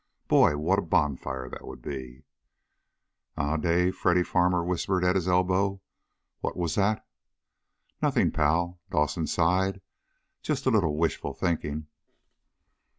"Boy! What a bonfire that would be!" "Eh, Dave?" Freddy Farmer whispered at his elbow. "What was that?" "Nothing, pal," Dawson sighed. "Just a little wishful thinking!"